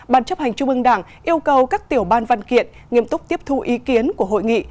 bàn chấp hành trung ương đảng yêu cầu các tiểu ban văn kiện nghiêm túc tiếp thu ý kiến của hội nghị